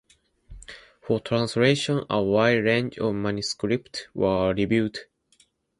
For translation a wide range of manuscripts were reviewed.